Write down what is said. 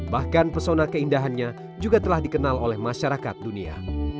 bahkan persona keindahannya juga telah dikenal oleh masyarakat dunia